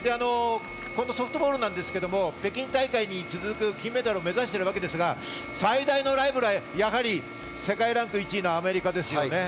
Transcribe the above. ソフトボールですけど、北京大会に続く金メダルを目指しているわけですが、最大のライバルはやはり世界ランク１位のアメリカですね。